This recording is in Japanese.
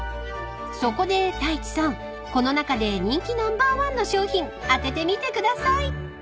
［そこで太一さんこの中で人気ナンバーワンの商品当ててみてください］